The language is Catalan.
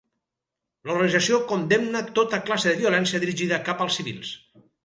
L'organització condemna tota classe de violència dirigida cap als civils.